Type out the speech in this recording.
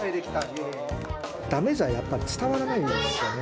だめじゃやっぱり、伝わらないんですよね。